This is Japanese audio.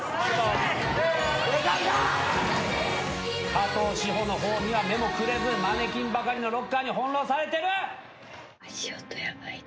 加藤史帆の方には目もくれずマネキンばかりのロッカーに翻弄されてる！